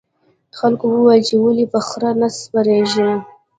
خلکو وویل چې ولې په خره نه سپریږې.